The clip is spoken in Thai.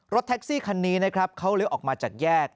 แท็กซี่คันนี้นะครับเขาเลี้ยวออกมาจากแยก